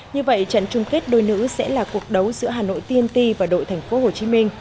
như vậy trận chung kết đôi nữ sẽ là cuộc đấu giữa hà nội tnt và đội tp hcm